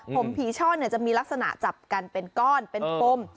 ผมผีช่อนจะมีลักษณะจับกันเป็นก้อนเป็นปม